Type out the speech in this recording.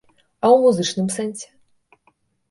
А ў музычным сэнсе?